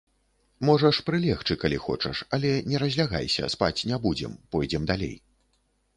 Можаш прылегчы, калі хочаш, але не разлягайся, спаць не будзем, пойдзем далей.